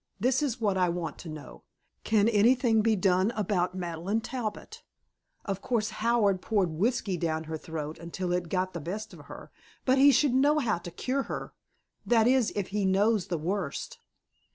This is what I want to know: Can anything be done about Madeleine Talbot? Of course Howard poured whiskey down her throat until it got the best of her. But he should know how to cure her. That is if he knows the worst."